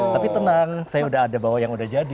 tapi tenang saya udah ada bawa yang udah jadi